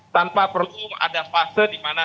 tanpa perlu ada fase di mana